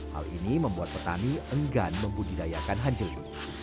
hal ini membuat petani enggan membudidayakan hanjeli